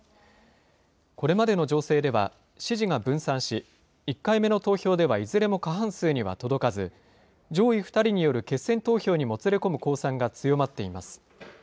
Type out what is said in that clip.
これまでの情勢では、支持が分散し、１回目の投票ではいずれも過半数には届かず、上位２人による決選投票にもつれ込む公算が強まっています。